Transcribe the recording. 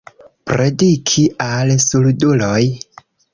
Prediki al surduloj.